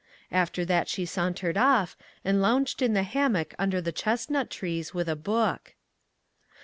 After that she sauntered off and lounged in the hammock under the chestnut trees with a book.